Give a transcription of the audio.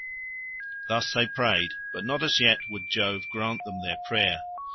Thus they prayed, but not as yet would Jove grant them their prayer.